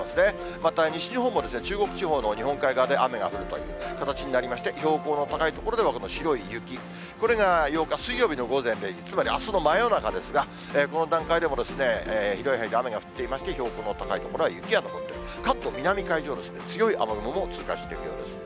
また、西日本も中国地方の日本海側で雨が降るという形になりまして、標高の高い所この白い雪、これが８日水曜日の午前０時、つまり、あすの真夜中ですが、この段階でも広い範囲で雨が降っていまして、標高の高い所は雪が残っている、関東南海上を強い雨雲も通過しているようです。